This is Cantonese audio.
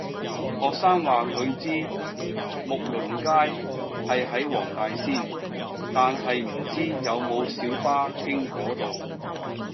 學生話佢知睦鄰街係喺黃大仙，但係唔知有冇小巴經嗰度